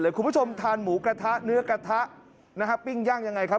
เดี๋ยวคุณผู้ชมทานหมูกระทะเนื้อกระทะปิ้งยั่งอย่างไรครับ